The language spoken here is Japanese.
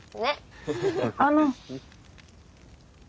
あの。